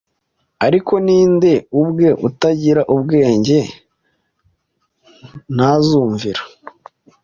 Ariko ninde ubwe utagira ubwenge ntazumvira